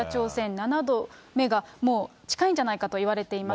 ７度目が、もう近いんじゃないかといわれています。